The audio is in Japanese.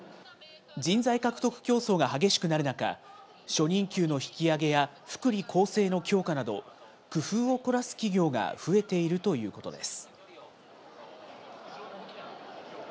人材獲得競争が激しくなる中、初任給の引き上げや福利厚生の強化など、工夫を凝らす企業が増えているということです。